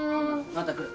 また来る。